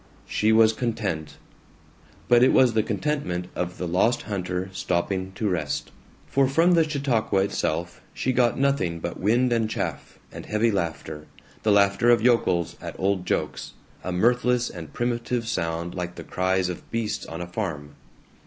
She was content. But it was the contentment of the lost hunter stopping to rest. For from the Chautauqua itself she got nothing but wind and chaff and heavy laughter, the laughter of yokels at old jokes, a mirthless and primitive sound like the cries of beasts on a farm.